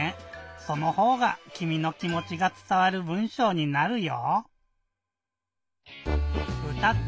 そのほうがきみの気もちがつたわる文しょうになるよ！